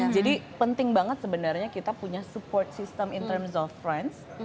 jadi penting banget sebenarnya kita punya support system in terms of friends